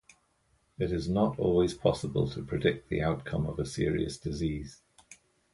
It is not always possible to predict the outcome of a serious disease.